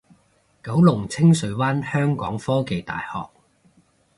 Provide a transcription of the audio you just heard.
九龍清水灣香港科技大學